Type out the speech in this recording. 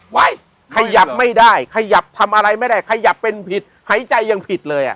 ขยับไม่ได้ขยับทำอะไรไม่ได้ขยับเป็นผิดหายใจยังผิดเลยอ่ะ